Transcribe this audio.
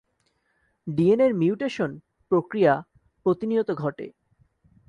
ডিএনএর মিউটেশন প্রক্রিয়া প্রতিনিয়ত ঘটে।